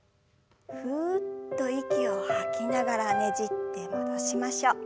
ふっと息を吐きながらねじって戻しましょう。